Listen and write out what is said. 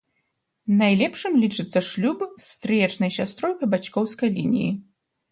Найлепшым лічыцца шлюб з стрыечнай сястрой па бацькоўскай лініі.